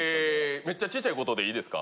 めっちゃちっちゃい事でいいですか？